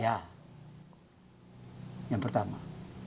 ya yang pertama